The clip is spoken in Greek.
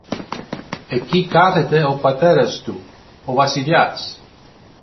Εκεί κάθεται ο πατέρας του, ο Βασιλιάς.